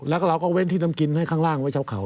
แล้วก็เราก็เว้นที่น้ำกินให้ข้างล่างไว้ชาวเขา